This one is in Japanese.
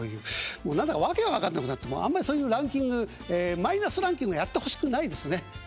もう何だか訳が分かんなくなってあんまりそういうランキングマイナスランキングはやってほしくないですね。